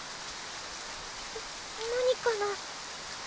な何かな？